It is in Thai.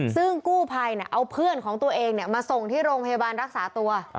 ซึ่งกู้ภัยเอาเพื่อนของตัวเองมาส่งที่โรงพยาบาลรักษาตัว